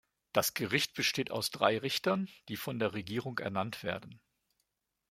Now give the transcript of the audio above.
Das Gericht besteht aus drei Richtern, die von der Regierung ernannt werden.